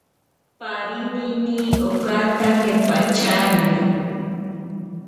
Parinini okanta kepacharini.